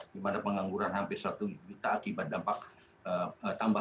di mana pengangguran hampir satu juta akibat dampak tambahan